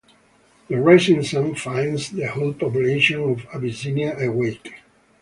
The rising sun finds the whole population of Abyssinia awake.